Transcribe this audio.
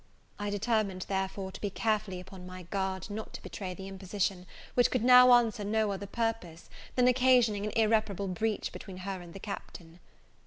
I determined, therefore, to be carefully upon my guard not to betray the imposition, which could now answer no other purpose, then occasioning an irreparable breach between her and the Captain.